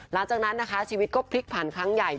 หลังจากนั้นนะคะชีวิตก็พลิกผันครั้งใหญ่